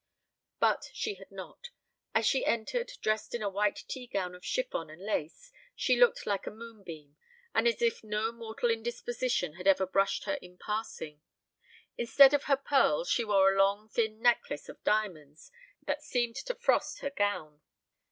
But she had not. As she entered, dressed in a white tea gown of chiffon and lace, she looked like a moonbeam, and as if no mortal indisposition had ever brushed her in passing. Instead of her pearls she wore a long thin necklace of diamonds that seemed to frost her gown.